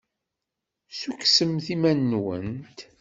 Ssukksemt iman-nwent.